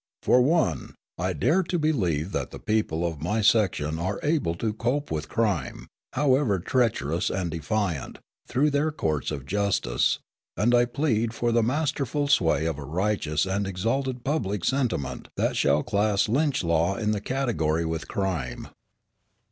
For one, I dare to believe that the people of my section are able to cope with crime, however treacherous and defiant, through their courts of justice; and I plead for the masterful sway of a righteous and exalted public sentiment that shall class lynch law in the category with crime."